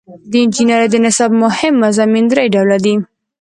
د انجنیری د نصاب مهم مضامین درې ډوله دي.